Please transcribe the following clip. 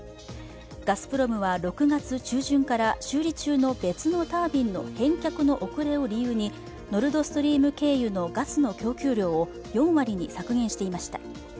ガスプロムは６月中旬から修理中の別のタービンの返却の遅れを理由にノルドストリーム経由のガスの供給量を４割に削減していました。